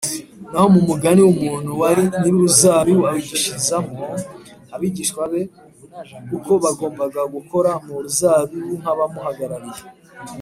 naho mu mugani w’umuntu wari nyir’uruzabibu awigishirizamo abigishwa be uko bagombaga gukora mu ruzabibu nk’abamuhagarariye